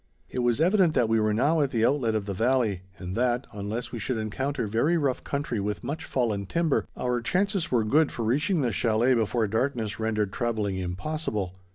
It was evident that we were now at the outlet of the valley, and that, unless we should encounter very rough country with much fallen timber, our chances were good for reaching the chalet before darkness rendered travelling impossible.